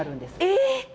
えっ！？